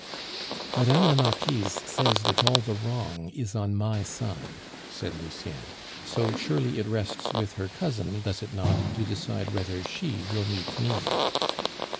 "Mme. la Marquise says that all the wrong is on my side," said Lucien; "so surely it rests with her cousin, does it not, to decide whether she will meet me?"